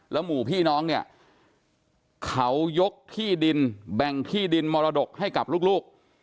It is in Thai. หมู่พี่น้องเนี่ยเขายกที่ดินแบ่งที่ดินมรดกให้กับลูก